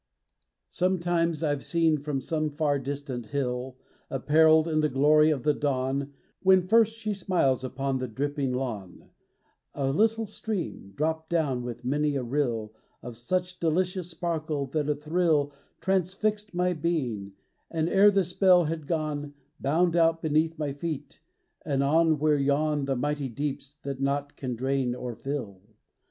Sometimes I've seen from some far distant hill, Appareled in the glory of the dawn When first she smiles upon the dripping lawn, A little stream drop down with many a rill Of such delicious sparkle that a thrill Transfixed my benig, and ere the spell had gone Bound out beneath my feet and on where yawn The mighty deeps that nought can drain or fill.